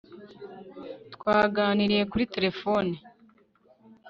twaganiriye kuri terefone